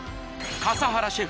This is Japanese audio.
笠原シェフ